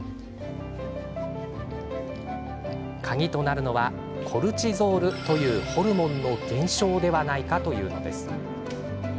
鍵となるのは、コルチゾールというホルモンの減少ではないかというのです。